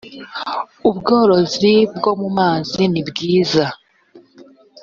ubworozi bwo mu mazi nibwiza